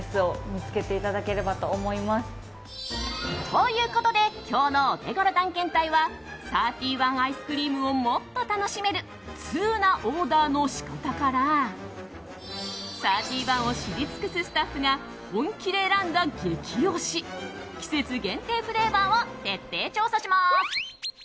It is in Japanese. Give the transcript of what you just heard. ということで今日のオテゴロ探検隊はサーティーワンアイスクリームをもっと楽しめるツウなオーダーの仕方からサーティーワンを知り尽くすスタッフが本気で選んだ激推し季節限定フレーバーを徹底調査します。